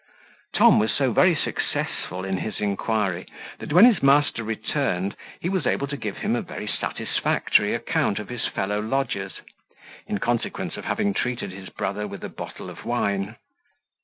Tom was so very successful in his inquiry, that when his master returned he was able to give him a very satisfactory account of his fellow lodgers, in consequence of having treated his brother with a bottle of wine.